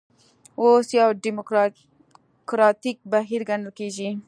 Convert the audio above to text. اوس یو ډیموکراتیک بهیر ګڼل کېږي.